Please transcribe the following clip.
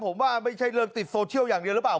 ผมว่าไม่ใช่เรื่องติดโซเชียลอย่างเดียวหรือเปล่า